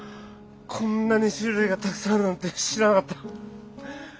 こんなに種類がたくさんあるなんて知らなかった。